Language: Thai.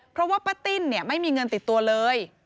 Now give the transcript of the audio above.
เพราะว่าป้าติ้นไม่มีเงินติดตัวเลย